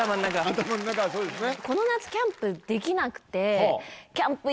頭ん中そうですね。